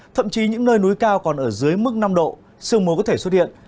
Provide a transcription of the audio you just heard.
thậm chí những nơi núi cao còn ở dưới mức năm độ sương mù có thể xuất hiện